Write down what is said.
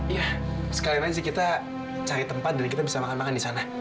iya sekalian aja kita cari tempat dan kita bisa makan makan di sana